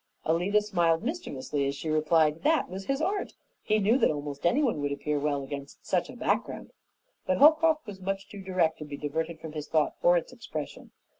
Alida smiled mischievously as she replied, "That was his art. He knew that almost anyone would appear well against such a background." But Holcroft was much too direct to be diverted from his thought or its expression.